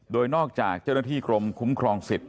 โดยนอกจากเจ้าหน้าที่กรมคุ้มครองสิทธิ